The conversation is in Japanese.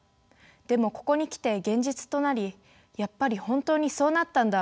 でもここに来て現実となり「やっぱり本当にそうなったんだ。